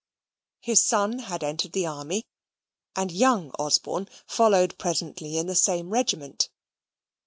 His son had entered the army: and young Osborne followed presently in the same regiment.